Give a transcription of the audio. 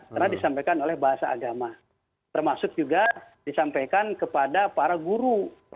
karena disampaikan oleh bahasa agama termasuk juga disampaikan kepada para guru